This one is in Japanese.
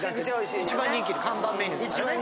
一番人気の看板メニューだからね。